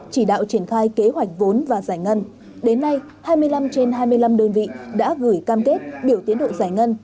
chỉ đạo triển khai kế hoạch vốn và giải ngân đến nay hai mươi năm trên hai mươi năm đơn vị đã gửi cam kết biểu tiến độ giải ngân